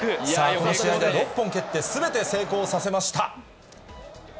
この試合では６本蹴って、すべて成功させました。